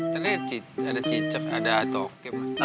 ternyata ada cicak ada atau gimana